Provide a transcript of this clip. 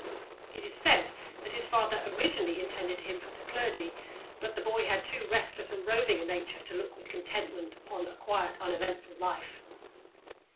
It is said that his father originally intended him for the clergy, but the boy had too restless and roving a nature to look with contentment upon a quiet, uneventful life.